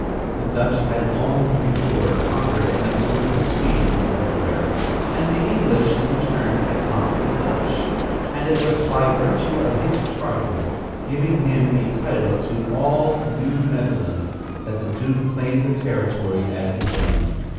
The Dutch had long before conquered and absorbed the Swedes on the Delaware, and the English in turn had conquered the Dutch, and it was by virtue of his charter, giving him a title to all New Netherland, that the duke claimed the territory as his own.